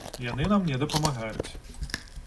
Яны нам не дапамагаюць.